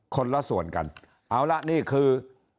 คนละส่วนกันเอาละนี่คือ